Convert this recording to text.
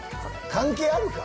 関係あるか！